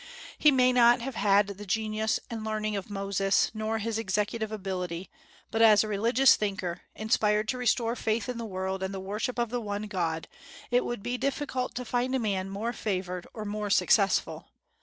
He may not have had the genius and learning of Moses, nor his executive ability; but as a religious thinker, inspired to restore faith in the world and the worship of the One God, it would be difficult to find a man more favored or more successful.